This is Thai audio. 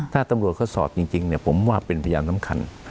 ถ้าตำรวจเขาสอบจริงผมว่าเป็นพยานสำคัญ